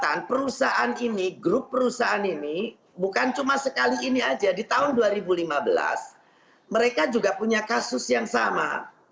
karena perusahaan ini grup perusahaan ini bukan cuma sekali ini aja di tahun dua ribu lima belas mereka juga punya kasus yang sama